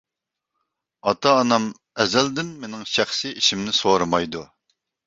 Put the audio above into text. ئاتا-ئانام ئەزەلدىن مېنىڭ شەخسىي ئىشىمنى سورىمايدۇ.